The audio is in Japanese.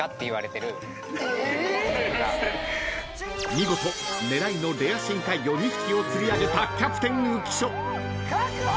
［見事狙いのレア深海魚２匹を釣り上げたキャプテン浮所］確保！